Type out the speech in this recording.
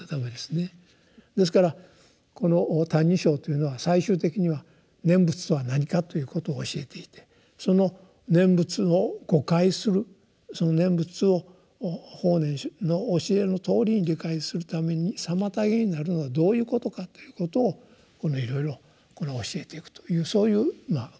ですからこの「歎異抄」というのは最終的には「念仏とは何か」ということを教えていてその念仏を誤解するその念仏を法然の教えのとおりに理解するために妨げになるのはどういうことかということをいろいろ教えていくというそういう構想になってるわけですね。